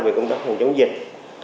về công tác phòng chống dịch